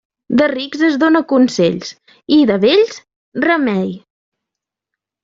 De rics es dóna consells i de vells remei.